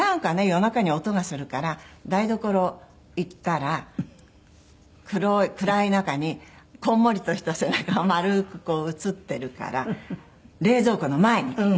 夜中に音がするから台所行ったら暗い中にこんもりとした背中が丸く映っているから冷蔵庫の前に。